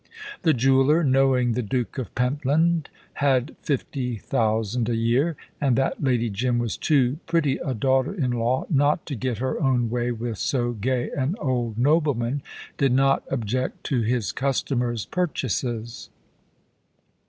The jeweller, knowing the Duke of Pentland had fifty thousand a year, and that Lady Jim was too pretty a daughter in law not to get her own way with so gay an old nobleman, did not object to his customer's purchases.